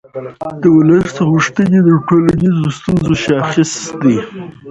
د ولس غوښتنې د ټولنیزو ستونزو شاخص دی